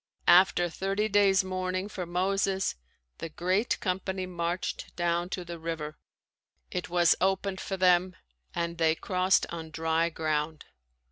After thirty days mourning for Moses, the great company marched down to the river; it was opened for them and they crossed on dry ground.